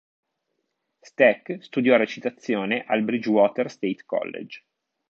Stack studiò recitazione al Bridgewater State College.